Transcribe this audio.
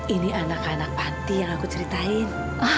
ini anak anak panti yang aku ceritain